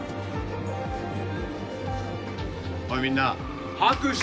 おいみんな拍手！